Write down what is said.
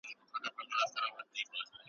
وینا نه وه بلکه غپا یې کوله ,